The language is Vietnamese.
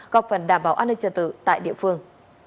góp phần đảm bảo an ninh trật tự tại địa phương